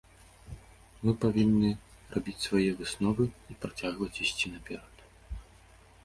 Мы павінны рабіць свае высновы і працягваць ісці наперад.